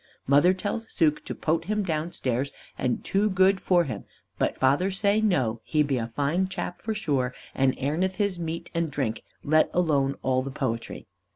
Mother tell Suke to pote him down stairs and too good for him, but father say no, he be a fine chap for sure and airneth his meat and drink, let alone all the poetry.